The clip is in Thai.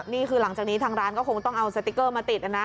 นี่คือหลังจากนี้ทางร้านก็คงต้องเอาสติ๊กเกอร์มาติดนะ